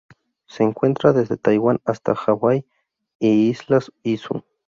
Se encuentra desde Taiwán hasta las Hawaii y Islas Izu.